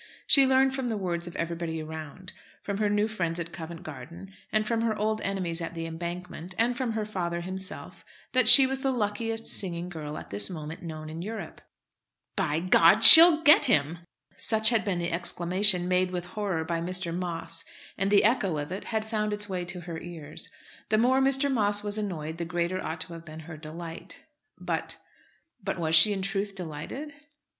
She learned from the words of everybody around, from her new friends at Covent Garden, and from her old enemies at "The Embankment," and from her father himself, that she was the luckiest singing girl at this moment known in Europe. "By G , she'll get him!" such had been the exclamation made with horror by Mr. Moss, and the echo of it had found its way to her ears. The more Mr. Moss was annoyed, the greater ought to have been her delight. But, but was she in truth delighted?